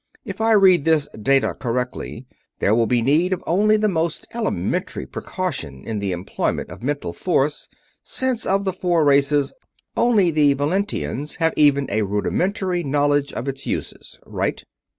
If I read this data correctly, there will be need of only the most elementary precaution in the employment of mental force, since of the four races, only the Velantians have even a rudimentary knowledge of its uses. Right?"